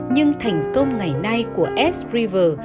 nhưng thành công ngày nay của s river